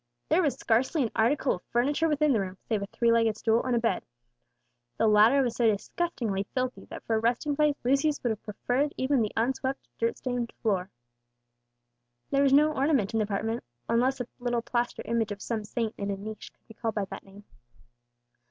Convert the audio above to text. There was scarcely an article of furniture within the room, save a three legged stool and a bed. The latter was so disgustingly filthy, that for a resting place Lucius would have preferred even the unswept, dirt stained floor. There was no ornament in the apartment, unless a little plaster image of some saint in a niche could be called by that name.